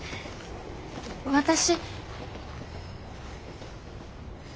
私。